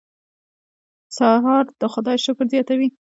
سهار د خدای شکر زیاتوي.